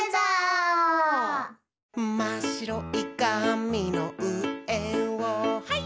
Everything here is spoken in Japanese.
「まっしろいかみのうえをハイ！」